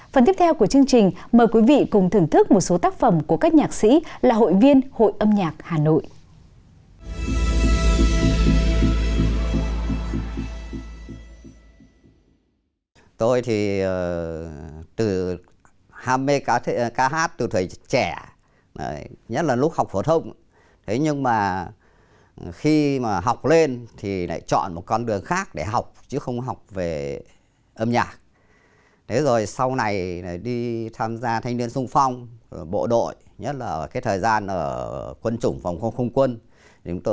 phần tiếp theo của chương trình mời quý vị cùng thưởng thức một số tác phẩm của các nhạc sĩ là hội viên hội âm nhạc hà nội